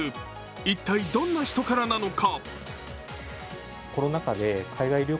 一体どんな人からなのか？